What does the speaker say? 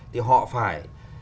thì họ phải